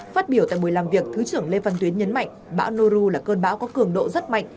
phát biểu tại buổi làm việc thứ trưởng lê văn tuyến nhấn mạnh bão noru là cơn bão có cường độ rất mạnh